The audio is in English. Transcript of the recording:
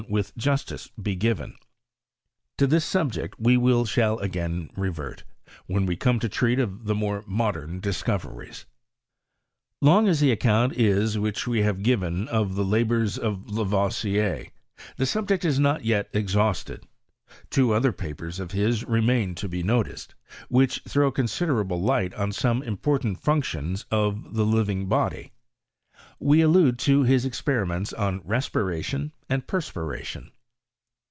with justice be given. To this subject we shall again revert, when we come to treat of the more moders diBcoveries. Long as the account is which we have given rf the labours of Lavoisier, the subject is not yet ex hausted. Two other papers of his remain to be noticed, which throw considerable light on some important functions of the living body : we allude to his experiments on respiration and perspiration.